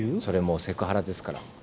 それもうセクハラですから。